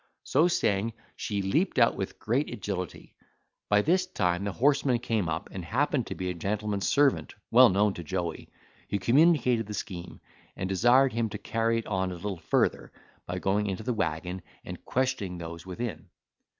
So saying she leaped out with great agility. By this time the horseman came up and happened to be a gentleman's servant well known to Joey, who communicated the scheme, and desired him to carry it on a little further, by going into the waggon, and questioning those within.